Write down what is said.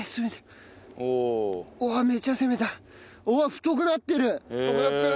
太くなってる！？